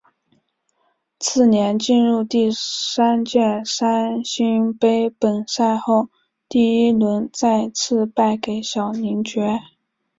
次年进入第三届三星杯本赛后第一轮再次败给小林觉。